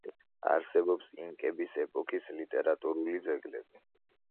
არსებობს ინკების ეპოქის ლიტერატურული ძეგლები.